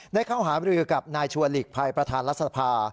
ได้เข้าหาบรือกับนายชัวร์หลีกภัยประธานรัฐสภา